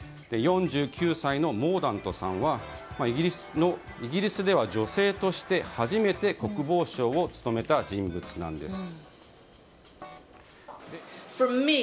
４９歳のモーダントさんはイギリスでは女性として初めて国防相を務めた人物なんです。